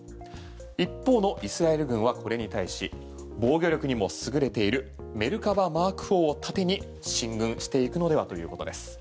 一方のイスラエル軍はこれに対し防御力にも優れているメルカバＭｋ４を盾に進軍していくのではということです。